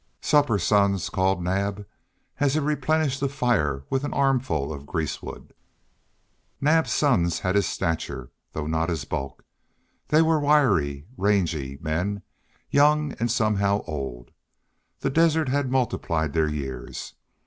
"Supper, sons," called Naab, as he replenished the fire with an armful of grease wood. Naab's sons had his stature, though not his bulk. They were wiry, rangy men, young, yet somehow old. The desert had multiplied their years.